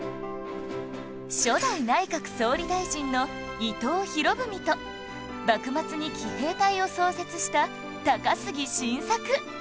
初代内閣総理大臣の伊藤博文と幕末に奇兵隊を創設した高杉晋作